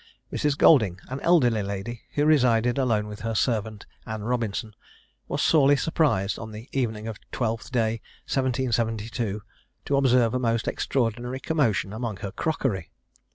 Mrs. Golding, an elderly lady, who resided alone with her servant, Anne Robinson, was sorely surprised on the evening of Twelfth day, 1772, to observe a most extraordinary commotion among her crockery.